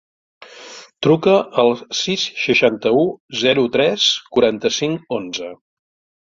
Truca al sis, seixanta-u, zero, tres, quaranta-cinc, onze.